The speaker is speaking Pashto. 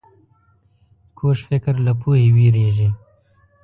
کوږ فکر له پوهې وېرېږي